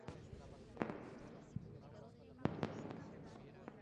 Se encuentra sobre las vías del Ferrocarril General San Martín.